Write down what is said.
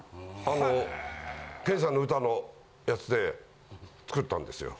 あの研さんの歌のやつで作ったんですよ。